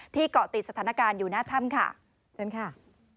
เกาะติดสถานการณ์อยู่หน้าถ้ำค่ะเชิญค่ะ